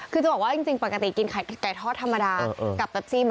คือจะบอกว่าจริงปกติกินไก่ทอดธรรมดากับแปปซี่